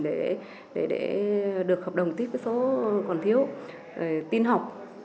để được hợp đồng tiếp cái số còn thiếu tin học